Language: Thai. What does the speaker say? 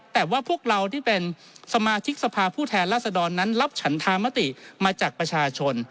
แต่ว่าพวกเราที่เป็นสมาชิกสภาพผู้แทนราษดรนั้นรับฉันธามติมาจากประชาชน